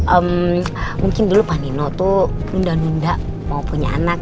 hmm mungkin dulu pak nino tuh nunda nunda mau punya anak